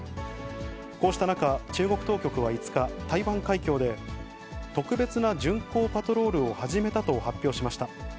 こうした中、中国当局は５日、台湾海峡で、特別な巡航パトロールを始めたと発表しました。